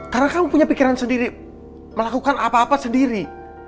karena kamu punya pikiran sendiri melakukan apa apa sendiri